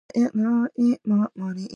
Alma is home to Santa Fe High School.